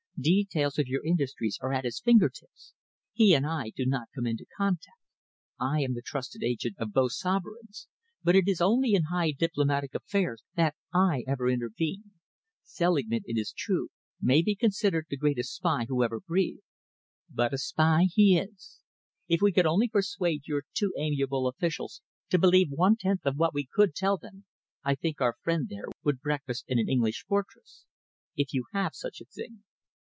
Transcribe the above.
Details of your industries are at his finger tips. He and I do not come into contact. I am the trusted agent of both sovereigns, but it is only in high diplomatic affairs that I ever intervene. Selingman, it is true, may be considered the greatest spy who ever breathed, but a spy he is. If we could only persuade your too amiable officials to believe one tenth of what we could tell them, I think our friend there would breakfast in an English fortress, if you have such a thing."